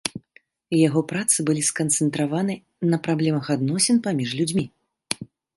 Яго працы былі сканцэнтраваны на праблемах адносін паміж людзьмі.